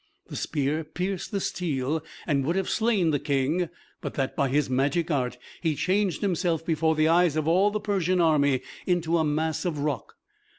The spear pierced the steel, and would have slain the King, but that by his magic art he changed himself, before the eyes of all the Persian army, into a mass of rock.